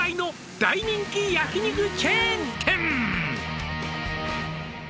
「大人気焼肉チェーン店」